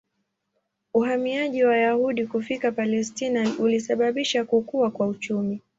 Uhamiaji wa Wayahudi kufika Palestina ulisababisha kukua kwa uchumi.